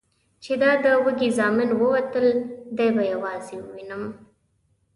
چې دا د وږي زامن ووتل، دی به یوازې ووینم؟